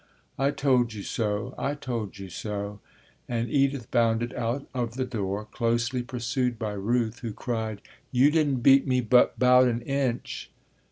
"I told you so, I told you so," and Edith bounded out of the door, closely pursued by Ruth who cried: "You didn't beat me but 'bout an inch."